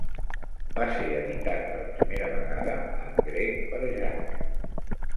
Va ser editat per primera vegada en grec per Jac.